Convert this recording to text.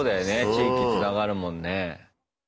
地域つながるもんね。